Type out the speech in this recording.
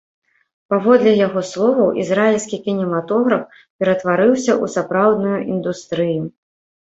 Паводле яго словаў, ізраільскі кінематограф ператварыўся ў сапраўдную індустрыю.